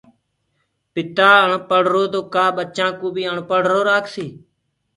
پتآ اڻپڙهرو هي تو ڪآٻچآ ڪو بي آڻپڙهرو رآکسي